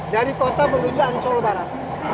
dari kota menuju ancol barat